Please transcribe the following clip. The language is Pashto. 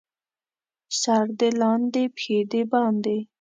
سر دې لاندې، پښې دې باندې.